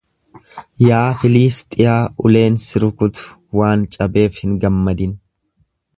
Yaa Filiisxiyaa, uleen si rukutu waan cabeef hin gammadin.